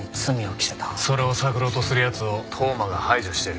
それを探ろうとする奴を当麻が排除してる。